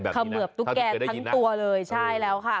เขมือบตุ๊กแกทั้งตัวเลยใช่แล้วค่ะ